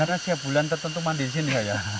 karena tiap bulan tertentu mandi disini